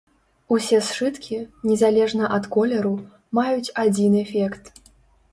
Усе сшыткі, незалежна ад колеру, маюць адзін эфект.